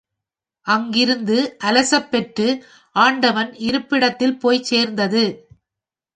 அங்கிருந்து அலசப் பெற்று ஆண்டவன் இருப்பிடத்தில் போய் சேர்ந்தது.